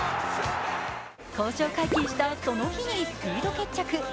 交渉解禁したその日にスピード決着。